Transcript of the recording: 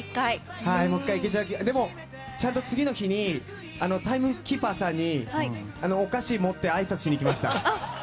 でも、ちゃんと次の日にタイムキーパーさんにお菓子を持ってあいさつしに行きました。